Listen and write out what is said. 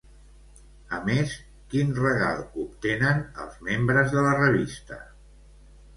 A més, quin regal obtenen els membres de la revista?